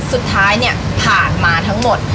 สุดท้ายเนี่ยผ่านมาทั้งหมด